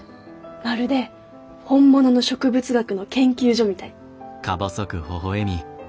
まるで本物の植物学の研究所みたい。